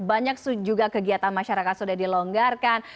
banyak juga kegiatan masyarakat sudah dilonggarkan